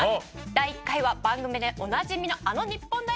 第１回は番組でおなじみのあの日本代表選手です。